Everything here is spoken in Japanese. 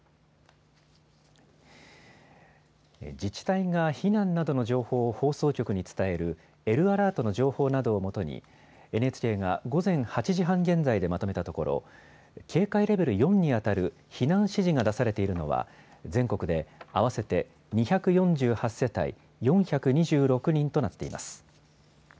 自治体が避難などの情報を放送局に伝える、Ｌアラートの情報などを基に、ＮＨＫが午前８時半現在でまとめたところ、警戒レベル４に当たる避難指示が出されているのは、全国で合わせて２４８世帯４２６人となっています。